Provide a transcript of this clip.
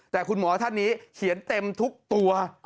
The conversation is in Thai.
แต่คุณหมอท่านนี้เขียนเต็มทุกตัว